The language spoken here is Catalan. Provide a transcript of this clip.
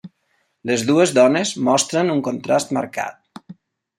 Les dues dones mostren un contrast marcat.